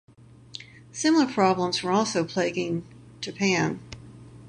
Similar problems were also plaguing Japan.